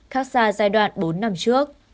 khác xa giai đoạn bốn năm trước